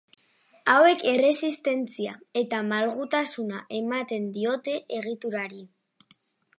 Hauek erresistentzia eta malgutasuna ematen diote egiturari.